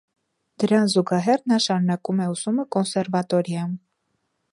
Դրան զուգահեռ նա շարունակում է ուսումը կոնսերվատորիայում։